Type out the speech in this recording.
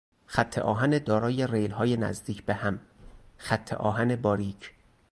خط آهن دارای ریلهای نزدیک به هم، خطآهن باریک